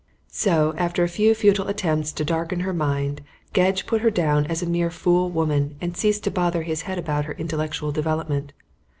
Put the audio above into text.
So, after a few futile attempts to darken her mind, Gedge put her down as a mere fool woman, and ceased to bother his head about her intellectual development.